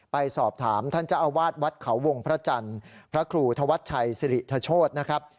ไปสอบถามท่านเจ้าอาวาสวัดเขาวงพระจันทร์พระครูธวัชชัยสิริธโชธนะครับ